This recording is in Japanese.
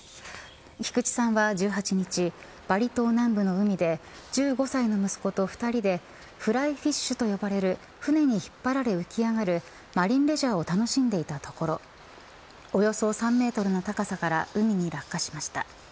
菊池さんは１８日バリ島南部の海で１５歳の息子と２人でフライフィッシュと呼ばれる船に引っ張られ浮き上がるマリンレジャーを楽しんでいたところおよそ３メートルの高さから海に落下しました。